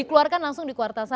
langsung di kuartal satu